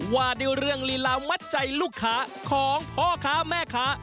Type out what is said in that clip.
วาดิวเรื่องลีลามัดใจลูกขาของพ่อค่ะแม่ค่ะ